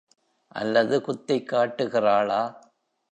அல்லது, குத்திக் காட்டுகிறாளா?